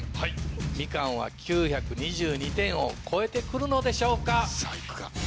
みかんは９２２点を超えて来るのでしょうか。